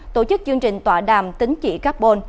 tổ chức chương trình tọa đàm tính chỉ carbon